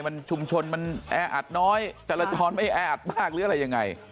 มันชุมชนมันแออัดน้อยจรจรไม่แออัดมากหรืออะไรยังไง